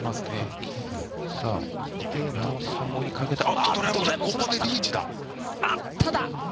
おっと、ここでリーチだ！